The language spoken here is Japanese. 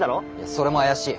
それも怪しい。